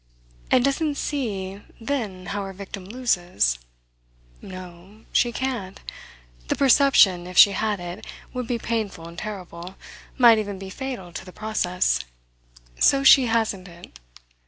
"And doesn't see then how her victim loses?" "No. She can't. The perception, if she had it, would be painful and terrible might even be fatal to the process. So she hasn't it.